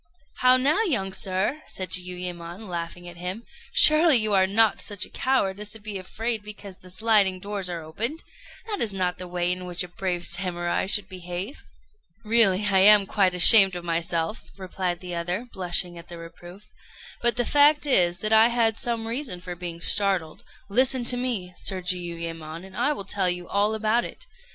"How now, young sir!" said Jiuyémon, laughing at him, "surely you are not such a coward as to be afraid because the sliding doors are opened? That is not the way in which a brave Samurai should behave." "Really I am quite ashamed of myself," replied the other, blushing at the reproof; "but the fact is that I had some reason for being startled. Listen to me, Sir Jiuyémon, and I will tell you all about it.